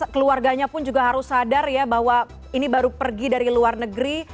keluarganya pun juga harus sadar ya bahwa ini baru pergi dari luar negeri